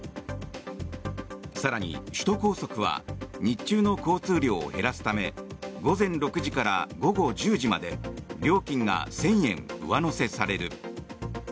更に、首都高速は日中の交通量を減らすため午前６時から午後１０時まで料金が１０００円上乗せされる。